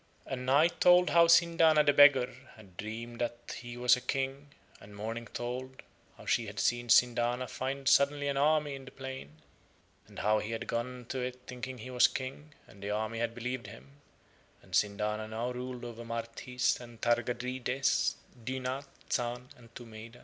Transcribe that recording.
And Night told how Sindana the beggar had dreamed that he was a King, and Morning told how she had seen Sindana find suddenly an army in the plain, and how he had gone to it thinking he was King and the army had believed him, and Sindana now ruled over Marthis and Targadrides, Dynath, Zahn, and Tumeida.